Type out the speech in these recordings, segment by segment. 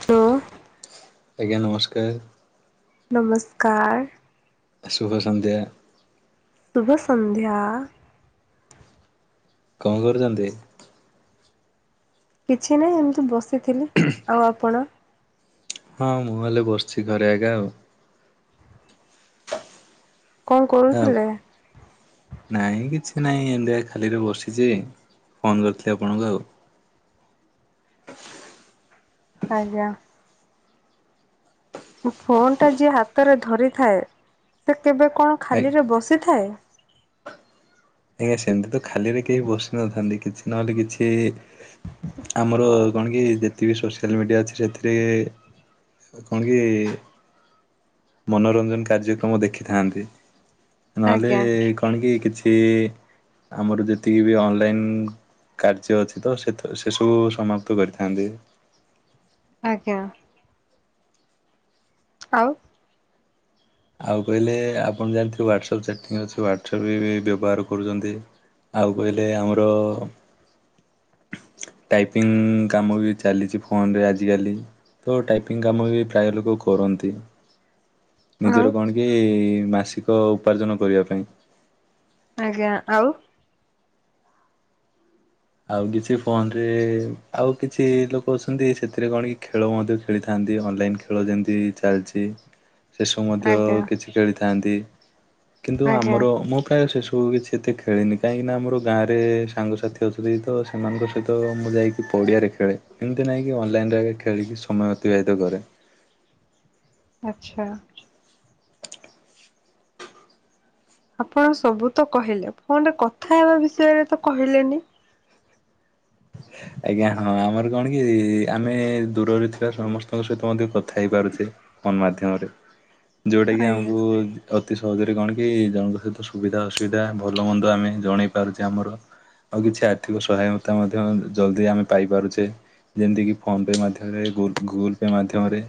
ତ ଆଜ୍ଞା ନମସ୍କାର। ନମସ୍କାର। ଶୁଭ ସନ୍ଧ୍ୟା। ଶୁଭସନ୍ଧ୍ୟା। କଣ କରୁଚନ୍ତି? କିଛି ନାହିଁ ଏମିତି ବସିଥିଲି ଆଉ ଆପଣ? ହଁ ମୁଁ ହେଲେ ବସିଛି ଘରେ ଆଜ୍ଞା ଆଉ। କଣ କରୁଥିଲେ? ନାହିଁ କିଛି ନାହିଁ ଏମିତିକା ଖାଲିରେ ବସିଛି ଫୋନ୍ କରିଥିଲି ଆପଣଙ୍କୁ ଆଉ। ଆଜ୍ଞା। ଫୋନ୍ ଟା ଯିଏ ହାତରେ ଧରିଥାଏ ସେ କେବେ କଣ ଆ ଖାଲିରେ ବସିଥାଏ? ଆଜ୍ଞା ସେମିତି ତ ଖାଲିରେ କେହି ବସି ନଥାନ୍ତି କିଛି ନହେଲେ କିଛି ଆମର କଣ କି ଯେତି ବିି ସୋସିଆଲ ମିଡିଆ ଅଛି ସେଥିରେ କଣ କି ମନୋରଞ୍ଜନ କାର୍ଯ୍ୟକ୍ରମ ଦେଖିଥାନ୍ତି। ନହେଲେ ଆଜ୍ଞା କଣ କି କିଛି ଆମର ଯେତିକି ବି ଅନଲାଇନ କାର୍ଯ୍ୟ ଅଛି ତ ସେ ସେ ସବୁ ସମାପ୍ତ କରିଥାନ୍ତି। ଆଜ୍ଞା। ଆଉ? ଆଉ କହିଲେ ଆପଣ ଜାଣିଥିବେ ୱଳସଆପ୍ ଚାଟିଂ ଅଛି ୱଳସଆପ୍ ବି ବ୍ୟବହାର କରୁଛନ୍ତି। ଆଉ କହିଲେ ଆମର ଟାଇପିଙ୍ଗ କାମ ବି ଚାଲିଛି ଫୋନରେ ଆଜିକାଲି। ତ ଟାଇପିଙ୍ଗ କାମ ବି ପ୍ରାୟ ଲୋକ କରନ୍ତି। ଆଉ ନିଜର କଣ କି ମାସିକ ଉପାର୍ଜନ କରିବା ପାଇଁ। ଆଜ୍ଞା ଆଉ? ଆଉ କିଛି ଫୋନ ରେ ଆଉ କିଛି ଲୋକ ଅଛନ୍ତି ସେଥିରେ କଣ କି ଖେଳ ମଧ୍ୟ ଖେଳିଥାନ୍ତି ଅନଲାଇନେ। ଖେଳ ଯେମିତି ଚାଲିଛି। ସେସକୁ ମଧ୍ୟ ଆଜ୍ଞା କିଛି ଖେଳିଥାନ୍ତି କିନ୍ତୁ ଆଜ୍ଞା ଆମର ମୁଁ ପ୍ରାୟ ସେସକୁ କିଛି। କେତେ ଖେଳିନି କାହିଁକିନା ଆମର ଗାଁ ରେ ସାଙ୍ଗସାଥି। ସେ ତ ସେମାନଙ୍କ ସହିତ ମୁଁ ଯାଇକି ପଡ଼ିଆରେ ଖେଳେ ଏମିତି ନାହିଁକି ଅନଲାଇନ୍ର ଆଗେ ଖେଳିକି ସମୟ ଅ। ଅତିବାହିତ କରେ। ଆଚ୍ଛା। ଆପଣ ସବୁ ତ କହିଲେ ଫୋନରେ କଥା ହେବା ବିଷୟରେ ତ କହିଲେନି। ଆଜ୍ଞା ହଁ ଆମର କଣ କି ଆମେ ଦୂରରେ ଥିବା ସମସ୍ତଙ୍କ ସହିତ ମଧ୍ୟ କଥା ସତରେ କି ଆମର ଫୋନ୍ ବହୁତ ସୁବିଧା କରୁଛି। ଫୋନ୍ ମାଧ୍ୟମରେ ଯୋଉଟାକି ଆଜ୍ଞା। ଆମକୁ ଅତି ସହଜରେ କଣ କି ଜଣଙ୍କ ସହିତ ସୁବିଧା ଅସୁବିଧା ଭଲ ମନ୍ଦ ଆମେ ଜଣେଇ ପାରୁଛେ ଆମର। ଆଉ କିଛି ଆର୍ଥିକ ସହାୟତା ମଧ୍ୟ ଜଲ୍ଦି ଆମେ ପାଇପାରୁଛେ ଯେମିତିକି ଫୋନ୍ ପେ ମାଧ୍ୟମରେ ଗୁଗୁଲ୍ ପେ ମାଧ୍ୟମରେ।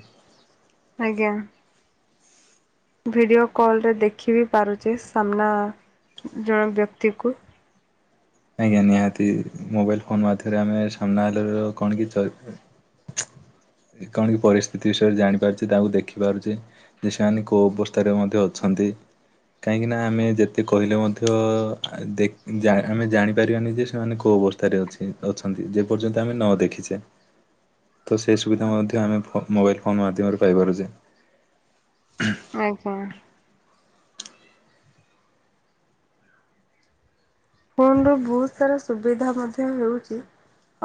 ଆଜ୍ଞା। ଭିଡ଼ିଓ କଲ୍ରରେ ଦେଖି ବି ପାରୁଛେ ସାମ୍ନା ଜଣେ ବ୍ୟକ୍ତିକୁ। ଆଜ୍ଞା ନିହାତି ମୋବାଇଲ ଫୋନ୍ ମାଧରେ ଆମେ ସାମ୍ନା ହେଲ କଣ କି। କଣ କି ପରିସ୍ଥିତି ବିଷୟରେ ଜାଣିପାରୁଛି ତାଙ୍କୁ ଦେଖି ପାରୁଛି‌। ଦିଶାନି କୋଉ ଅବସ୍ଥାରେ ମଧ୍ୟ ଅଛନ୍ତି। କାହିଁକି ନା ଆମେ ଯେତେ କହିଲେ ମଧ୍ୟ ଆ, ଦେଖ ଜା ଆମେ ଜାଣି ପାରିବାନି ଯେ ସେମାନେ କୋଉ ଅବସ୍ଥାରେ ଅଛି ଅଛନ୍ତି ଯେ ପର୍ଯ୍ୟନ୍ତ ଆମେ ନ ଦେଖିଛେ। ତ ସେହି ସୁବିଧା ମଧ୍ୟ ଆମେ ଫୋ ମୋବାଇଲ ଫୋନ୍ ମାଧ୍ୟମରେ ପାଇପାରୁଚେ। ଆଜ୍ଞା। ଫୋନ୍ ରୁ ବହୁତ ସାରା ସୁବିଧା ମଧ୍ୟ ହେଉଛି।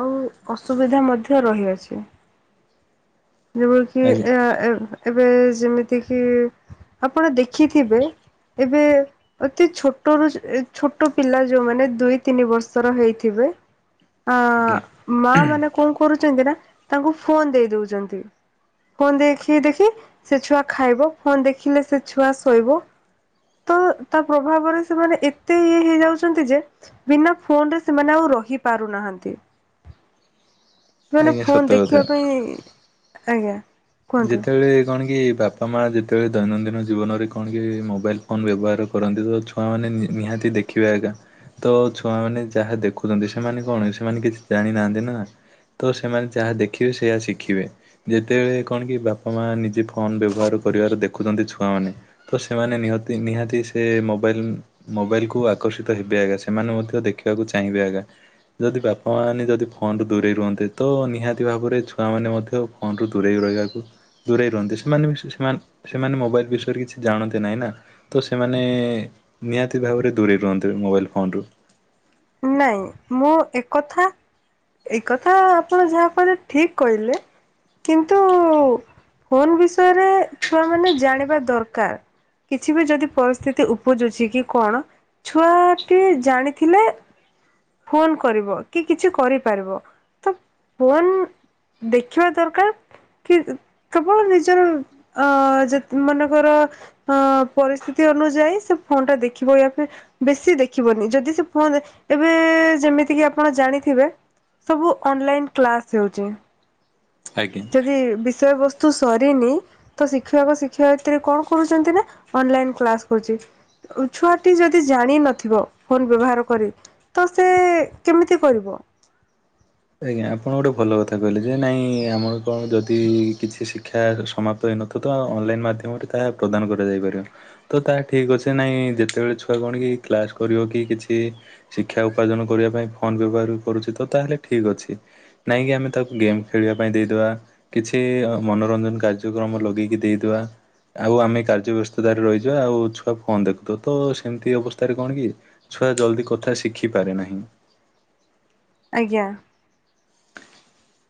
ଆଉ ଅସୁବିଧା ମଧ୍ୟ ରହିଅଛି। ଯେବ ଖି ଆଜ୍ଞା ଏହା ଏ ଏବେ ଯେମିତି କିି ଆପଣ ଦେଖିଥିବେ ଏବେ ଅତି ଛୋଟ ରୁ ଯେ ଛୋଟ ପିଲା ଯୋଉମାନେ ଦୁଇ ତିନି ବର୍ଷର ହେଇଥିବେ ହ ଆ, ମା ମାନେ କଣ କରୁଚନ୍ତି ନା ତାଙ୍କୁ ଫୋନ୍ ଦେଇ ଦଉଚନ୍ତି। ଫୋନ୍ ଦେଖି ଦେଖି ସେ ଛୁଆ ଖାଇବ। ଫୋନ୍ ଦେଖିଲେ ସେ ଛୁଆ ଶୋଇବ। ତ ତା ପ୍ରଭାବରେ ସେମାନେ ଏତେ ଇଏ ହେଇଯାଉଛନ୍ତି ଯେ ବିନା ଫୋନ୍ ରେ ସେମାନେ ଆଉ ରହି ପାରୁନାହାନ୍ତି। ଆଜ୍ଞା ସତ କଥା। ସେ ଆଜ୍ଞା। ଯେତେବେଳେ କଣ କି ବାପ ମା ଯେତେବେଳେ ଦୈନନ୍ଦିନ ଜୀବନରେ କଣ କି ମୋବାଇଲ୍ ଫୋନ୍ ବ୍ୟବହାର କରନ୍ତି ତ ଛୁଆମାନେ ନି-ନିହାତି ଦେ ଖିବେ ଏକା ତ ଛୁଆମାନେ ଯାହା ଦେଖୁଚନ୍ତି ସେମାନେ କଣ ସେମାନେ କିଛି ଜାଣି ନାହାନ୍ତି ନା। ତ ସେମାନେ ଯାହା ଦେଖିବେ ସେୟା ଶିଖିବେ। ଯେତେବେଳେ କଣ କି ବାପା ମା ନିଜେ ଫୋନ୍ ବ୍ୟବହାର କରିବାର ଦେଖୁଚନ୍ତି ଛୁଆମାନେ। ତ ସେମାନେ ନିହତି ନିହାତି ସେ ମୋବାଇଲ୍ ମୋବାଇଲ୍ କୁ ଆକର୍ଷିତ ହେବେ ଏକା ସେମାନେ ମଧ୍ୟ ଦେଖିବାକୁ ଚାହିଁବେ ଏକା। ଯଦି ବାପା ମାନେ ଯଦି ଫୋନ୍ ରୁ ଦୂରେଇ ରୁହନ୍ତେ। ତ ନିହାତି ଭାବରେ ଛୁଆମାନେ ମଧ୍ୟ ଫୋନ୍ ରୁ ଦୂରେଇ ରହିବା କୁ ଦୂରେଇ ରୁହନ୍ତି। ସେମାନେ ବି ସେ-ସେମାନେ ସେମାନେ ମୋବାଇଲ୍ ବିଷୟରେ କିଛି ଜାଣନ୍ତି ନାହିଁ ନା। ତ ସେମାନେ ନିହାତି ଭାବରେ ଦୂରେଇ ରୁହନ୍ତି ମୋବାଇଲ୍ ଫୋନ୍ ରୁୁ। ନାଇଁ ମୁଁ ଏକଥା ଏଇ କଥା ଆପଣ ଯାହା କହିଲେ ଠିକ କହିଲେ। କିନ୍ତୁ ଫୋନ୍ ବିଷୟରେ ଛୁଆ ମାନେ ଜାଣିବା ଦରକାର। କିଛି ବି ଯଦି ପରିସ୍ଥିତି ଉପୁଜୁଛି କି କଣ ଛୁଆ ଟି ଜାଣିଥିଲେ ଫୋନ୍ କରିବ କି କିଛି କରିପାରିବ ତ ଫୋନ୍ ଦେଖିବା ଦରକାର। କି କେବଳ ନିଜର ଅ, ଯେ ମନେକର ହଁ ପରିସ୍ଥିତି ଅନୁଯାୟୀ ସେ ଫୋନ୍ ଟା ଦେଖିବ ୟା ଫେର୍ ବେଶି ଦେଖିବନି ଯଦି ସେ ଫୋନ୍ ଏବେ ଯେମିତିକି ଆପଣ ଜାଣିଥିବେ ସବୁ ଅନଲାଇନ୍ କ୍ଲାସ୍ ହେଉଚି। ଆଜ୍ଞା। ହି-ବିଷୟବସ୍ତୁ ସରିନି ତ ଶିକ୍ଷକ ଶିକ୍ଷୟିତ୍ରୀ କଣ କରୁଚନ୍ତି ନା ଅନଲାଇନ୍ କ୍ଲାସ୍ କରୁଚି। ଉ, ଛୁଆଟି ଯଦି ଜାଣି ନଥିବ ଫୋନ୍ ବ୍ୟବହାର କରି। ତ ସେ କେମିତି କରିବ। ଆଜ୍ଞା ଆପଣ ଗୋଟେ ଭଲ କଥା କହିଲେ ଯେ ନାଇଁ ଆମର କଣ ଯଦି କିଛି ଶିକ୍ଷା ସମାପ୍ ତ ହେଇନଥିବ ତ ଅନଲାଇନ୍ ମାଧ୍ୟମରେ ତାହା ପ୍ରଦାନ କରାଯାଇ ପାରିବ। ତ ତା ଠିକ୍ ଅଛି ନାଇଁ ଯେତେବେଳେ ଛୁଆ କଣକି କ୍ଲାସ୍ କରିବ କି କିଛି ଶିକ୍ଷା ଉପାର୍ଜନ କରିବା ପାଇଁ ଫୋନ୍ ବ୍ୟବହାର କରୁଛି ତ ତାହେଲେ ଠିକ ଅଛି। ନାଇଁକି ଆମେ ତାକୁ ଗେମ୍ ଖେଳିବା ପାଇଁ ଦେଇଦବା। କିଛି ଅ, ମନୋରଞ୍ଜନ କାର୍ଯ୍ୟକ୍ରମ ଲଗେଇକି ଦେଇଦବା। ଆଉ ଆମେ କାର୍ଯ୍ୟ ବ୍ୟସ୍ତତାରେ ରହିଯିବା ଆଉ ଛୁଆ କଣ ଦେଖୁଥିବ। ତ ସେମିତି ଅବସ୍ଥାରେ କଣ କି ଛୁଆ ଜଲ୍ଦି କଥା ଶିଖିପାରେ ନାହିଁ। ଆଜ୍ଞା।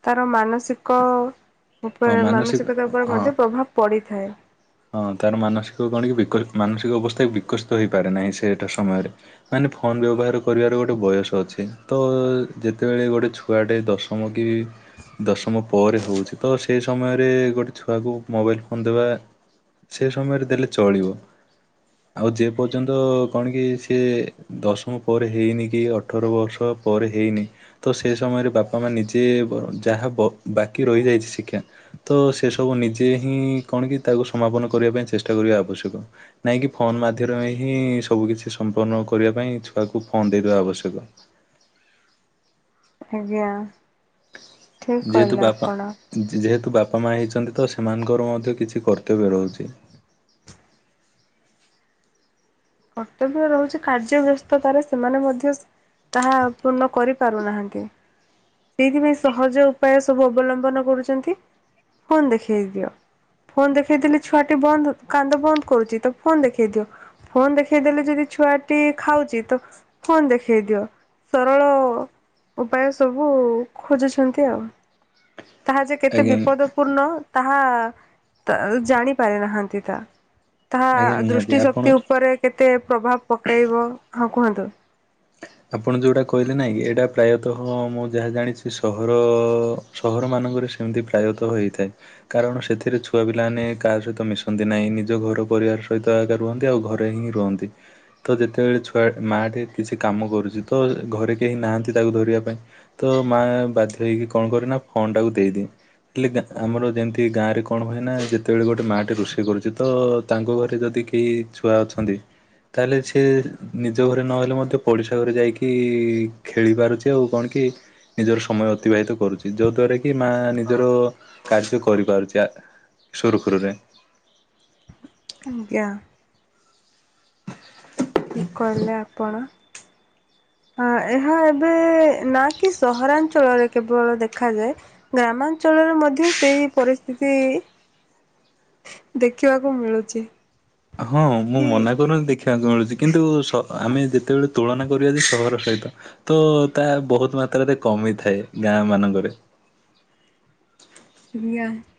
ତାର ମାନସିକ ହଁ ଉପରେ ମାନସିକ ମାନସିକତା ଉପରେ ହଁ ମଧ୍ୟ ପ୍ରଭାବ ପଡ଼ିଥାଏ। ହଁ ତାର ମାନସିକ କଣକି ବିକ ମାନସିକ ଅବସ୍ଥା ବି ବିକଶିତ ହେଇପାରେ ନାହିଁ ସେଇଟା ସମୟରେ। ମାନେ ଫୋନ୍ ବ୍ୟବହାର କରିବାର ଗୋଟେ ବୟସ ଅଛି। ତ ଯେତେବେଳେ ଗୋଟେ ଛୁ ଛୁଆଟେ ଦଶମ କି ଦଶମ ପରେ ହଉ, ତ ସେହି ସମୟରେ ଗୋଟେ ଛୁଆକୁ ମୋବାଇଲ୍ ଫୋନ୍ ଦେବା ସେ ସମୟରେ ଦେଲେ ଚଳିବ। ଆଉ ଯେ ପର୍ଯ୍ୟନ୍ତ କଣ କି ସିଏ ଦଶମ ପରେ ହେଇନି କି ଅଠର ବର୍ଷ ପରେ ହେଇନି ତ ସେ ସମୟରେ ବାପା ମା ନିଜେ ଯାହା ବ ବାକି ରହିଯାଇଚି ଶିକ୍ଷା ତ ସେ ସବୁ ନିଜେ ହିଁ କଣ କି ତାକୁ ସମାପନ କରିବା ପାଇଁ ଚେଷ୍ଟା କରିବା ଆବଶ୍ୟକ। ନାଇଁକି ଫୋନ ମାଧ୍ୟମରେ ହିଁ ସବୁ କିଛି ସମ୍ପନ୍ନ କରିବା ପାଇଁ ଛୁଆକୁ ଫୋନ ଦେଇଦବା ଆବଶ୍ୟକ। ଆଜ୍ଞା। ଠିକ୍ ଯେହେତୁ କହିଲେ ବାପା ଆପଣ ଯେହେତୁ ବାପା ମା ହେଇଛନ୍ତି ତ ସେମାନଙ୍କର ମଧ୍ୟ କିଛି କର୍ତ୍ତବ୍ୟ ରହୁଚି। କର୍ତ୍ତବ୍ୟ ରହୁଚି କାର୍ଯ୍ୟ ବ୍ୟସ୍ତତାରେ ସେମାନେ ମଧ୍ୟ ତାହା ପୂର୍ଣ କରିପାରୁନାହାନ୍ତି। ସେଇଥିପାଇଁ ସହଜ ଉପାୟ ସବୁ ଅବଲମ୍ବନ କରୁଛନ୍ତି ଫୋନ ଦେଖେଇ ଦିଅ। ଫୋନ୍ ଦେଖେଇଦେଲି ଛୁଆଟି ବନ୍ଦ କାନ୍ଦ ବନ୍ଦ କରୁଚି। ତ ଫୋନ୍ ଦେଖେଇ ଦିଅ। ଫୋନ୍ ଦେଖେଇଦେଲେ ଯଦି ଛୁଆଟି ଖାଉଚି, ତ ଫୋନ୍ ଦେଖେଇ ଦିଅ। ସରଳ ଉପାୟ ସବୁ ଖୋଜୁଛନ୍ତି ଆଉ। ତାହା ଯେ କେତେ ଆଜ୍ଞା ବିପଦ ସପୂର୍ଣ୍ଣ ତାହା ଜାଣି ପାରି ନାହାନ୍ତି ତାହା। ତାହା ଆଜ୍ଞା ନିହାତି ଦୃଷ୍ଟି ଆପଣ ଶକ୍ତି ଉପରେ କେତେ ପ୍ରଭାବ ପକାଇବ। ହଁ କୁହନ୍ତୁ। ଆପଣ ଯୋଉଟା କହିଲେ ନାଇଁ କି ଏଇଟା ପ୍ରାୟତଃ ମୁଁ ଯାହା ଜାଣିଛି ସହର ସହରମାନଙ୍କରେ ସେମିତି ପ୍ରାୟତଃ ହୋଇଥାଏ। କାରଣ ସେଥିରେ ଛୁଆ ପିଲାମାନେ କାହା ସହିତ ମିଶନ୍ତି ନାହିଁ। ନିଜ ଘର ପରିବାର ସହିତ ଆକା ରୁହନ୍ତି ଆଉ ଘରେ ହିଁ ରୁହନ୍ତି। ତ ଯେତେବେଳେ ଛୁଆ ମାଆଟି କିଛି କାମ କରୁଚି, ତ ଘରେ କେହି ନାହାନ୍ତି ତାକୁ ଧରିବା ପାଇଁ ତ ମା ବାଧ୍ୟ ହେଇକି କଣ କରେ ନା ଫୋନ୍ ଟାକୁ ଦେଇଦିଏ। ହେଲେ ଆମର ଯେମିତି ଗାଁରେ କଣ ହୁଏନା ଯେତେବେଳେ ଗୋଟେ ମା ଟେ ରୋଷେଇ କରୁଛି ତ ତାଙ୍କ ଘରେ ଯଦି କି ଛୁଆ ଅଛନ୍ତି ତାହେଲେ ସେ ନିଜ ଘରେ ନହେଲେ ମ ପଡ଼ିଶା ଘରେ ଯାଇକି ଖେଳି ପାରୁଚି ଆଉ କଣ କି ନିଜର ସମୟ ଅତିବାହିତ କରୁଚି। ଯୋ ଦ୍ଵାରା କି କି ମାଆ ନିଜର କାର୍ଯ୍ୟ କରିପାରୁଚି ସୁରୁଖୁରୁରେ। ଆଜ୍ଞା। ଠିକ୍ କହିଲେ ଆପଣ। ଅ ଏହା ଏବେ ନା କି ସହରାଞ୍ଚଳରେ କେବଳ ଦେଖାଯାଏ ଗ୍ରାମାଞ୍ଚଳରେ ମଧ୍ୟ ସେଇ ପରିସ୍ଥିତି ଦେଖିବାକୁ ମିଳୁଚି। ହଁ ମୁଁ ମନା କରୁନି ଦେଖି ଦେଖିବାକୁ ମିଳୁଚି। କିନ୍ତୁ ଆମେ ଯେତେବେଳେ ତୁଳନା କରିବା ଯେ ସହର ସହିତ ତ ତା ବହୁତ ମାତ୍ରାରେ କମିଥାଏ ଗାଁ ମାନଙ୍କରେ। [unintelligible]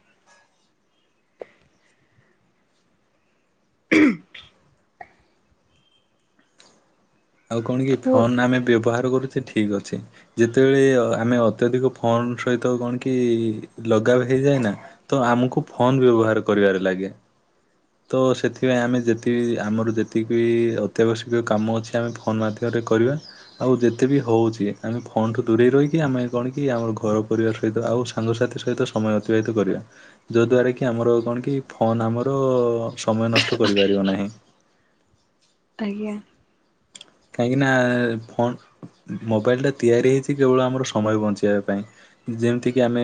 ଆଉ କଣ କି ଫୋ ଫୋନ ଆମେ ବ୍ୟବହାର କରୁଚେ ଠିକ୍ ଅଛି। ଯେତେବେଳେ ଆମେ ଅତ୍ୟଧିକ ଫୋନ ସହିତ କଣ କି ଲଗାବ ହେଇଯାଏନା ତ ଆମକୁ ଫୋନ ବ୍ୟବହାର କରିବାରେ ଲାଗେ। ତ ସେଥିପାଇଁ ଆମେ ଯେତିକି ଆମର ଯେତିକି ବି ଅତ୍ୟାବଶ୍ୟକୀୟ କାମ ଅଛି ଆମେ ଫୋନ୍ ମାଧ୍ୟମରେ କରିବା। ଆଉ ଯେତେ ବି ହଉଚି ଆମେ ଫୋନ୍ ଠୁ ଦୂରେଇ ରହିକି ଆମେ କଣ କି ଆମର ଘର ପରିବାର ସହିତ ଆଉ ସାଙ୍ଗସାଥି ସହିତ ସମୟ ଅତିବାହିତ କରିବା। ଯଦ୍ଵାରା କିି ଆମର କଣ କି ଫୋନ୍ ଆମର ତ ସମୟ ନଷ୍ଟ କରିପାରିବ ନାହିଁ ଆଜ୍ଞା। କାହିଁକିନା ଫୋନ୍ ଉମ୍ ମୋବାଇଲଟା ତିଆରି ହେଇଚି କେବଳ ଆମର ସମୟ ବଞ୍ଚେଇବା ପାଇଁ। ଯେମତିକି ଆମେ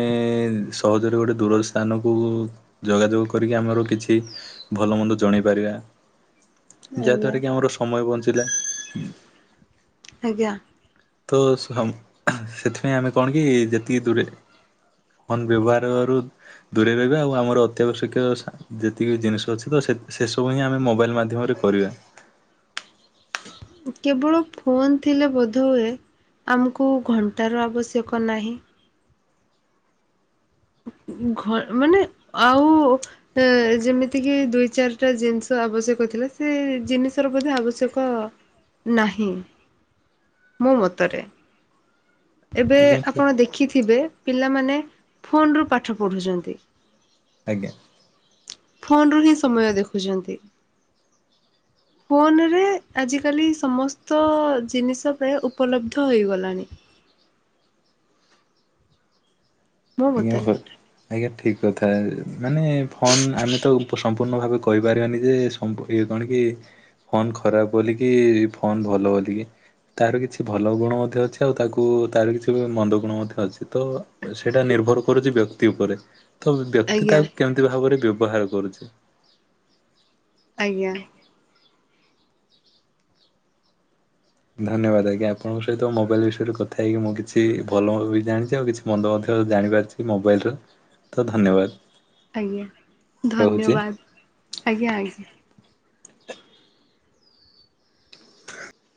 ସହଜରେ ଗୋଟେ ଦୂର ସ୍ଥାନକୁ ଯୋଗାଯୋଗ କରିକି ଆମର କିଛି ଭଲ ମନ୍ଦ ଜଣେଇ ପାରିବା। ଆଜ୍ଞା ଯାହାଦ୍ଵାରା କି ଆମର ସମୟ ବଞ୍ଚିଲା। ଆଜ୍ଞା। ତ ସମ୍ ଆ ସେଥିପାଇଁ ଆମେ କଣ କି ଯେତିକି ଦୂରରେ ଫୋନ ବ୍ୟବହାରରୁ ଦୂରେଇ ରହିବା ଆଉ ଆମର ଅତ୍ୟାବଶ୍ୟକିୟ ସା ଯେତିକି ଜିନିଷ ଅଛି ତ ସେ ସେସବୁ ହିଁ ଆମେ ମୋବାଇଲ୍ ମାଧ୍ୟମରେ କରିବା। କେବଳ ଫୋନ୍ ଥିଲେ ବୋଧହୁଏ ଆମକୁ ଘଣ୍ଟାର ଆବଶ୍ୟକ ନାହିଁ। ଘ ମାନେ ଆଉ ଏ ଯେମିତିକିି ଦୁଇ ଚାରିଟା ଜିନିଷ ଆବଶ୍ୟକ ଥିଲା ସେ ଜିନିଷର ବୋଧେ ଆବଶ୍ୟକ ନାହିଁ ମୋ ମତରେ। ଏବେ ଆଜ୍ଞା ଆପଣ ଦେଖିଥିବେ ପିଲାମାନେ ଫୋନରୁ ପାଠ ପଢୁଚନ୍ତି। ଆଜ୍ଞା। ଫୋନରୁ ହିଁ ସମୟ ଦେଖୁଚନ୍ତି। ହ ଫୋନରେ ଆଜିକାଲି ସମସ୍ତ ଜିନିଷ ପ୍ରାୟ ଉପଲବ୍ଧ ହେଇଗଲାଣି। ମୋ ଆଜ୍ଞା ମତରେ ହୋ ଆଜ୍ଞା ଠିକ କଥା ମାନେ ଫୋନ ଆମେ ତ ଉ ସମ୍ପୂର୍ଣ୍ଣ ଭାବେ କହିପାରିବାନି ଯେ ସ ଅମ୍ପ୍ ଇଏ କଣ କି ଫୋନ ଖରାପ ବୋଲିକି ଫୋନ ଭଲ ବୋଲିକି। ତାର କିଛି ଭଲ ଗୁଣ ମଧ୍ୟ ଅଛି ଆଉ ତାକୁ ତାର କିଛି ବି ମନ୍ଦ ଗୁଣ ମଧ୍ୟ ଅଛି ତ ଏସ ସେଇଟା ନିର୍ଭର କରୁଚି ବ୍ୟକ୍ତି ଉପରେ ତ ବ୍ୟକ୍ତି ଆଜ୍ଞା ତାହାକୁ କେମତି ଭାବରେ ବ୍ୟବହାର କରୁଚି। ଆଜ୍ଞା। ଧନ୍ୟବାଦ ଆଜ୍ଞା ଆପଣଙ୍କ ସହିତ ମୋବାଇଲ ବିଷୟରେ କଥା ହେଇକି ମୁଁ କିଛି ଭଲ ବି ଜାଣିଚି ଆଉ କିଛି ମନ୍ଦ ମଧ୍ୟ ଜାଣିପାରିଛି। ଏଇ ମୋବାଇଲର ତ ଧନ୍ୟବାଦ। ଆଜ୍ଞା ରହୁଛି। ଧନ୍ୟବାଦ ଆଜ୍ଞା ଆଜ୍ଞା।